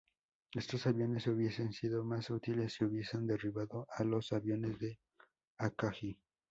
Estos aviones hubiesen sido más útiles si hubiesen derribado a los aviones de Akagi.